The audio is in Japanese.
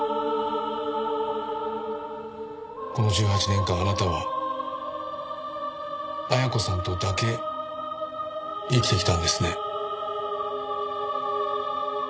この１８年間あなたは恵子さんとだけ生きてきたんですね。